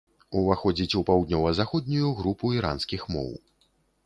Уваходзіць у паўднёва-заходнюю групу іранскіх моў.